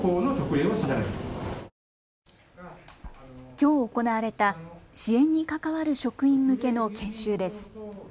きょう行われた支援に関わる職員向けの研修です。